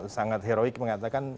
sangat heroik mengatakan